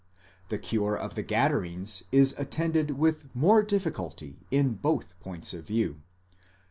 The cure of the Gadarenes is attended with more difficulty in both points of view.